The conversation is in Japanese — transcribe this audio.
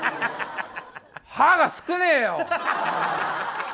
歯がすくねえよ。